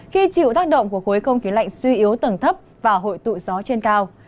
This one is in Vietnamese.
khi chịu tác động của khối không khí lạnh suy yếu tầng thấp và hội tụ gió trên cao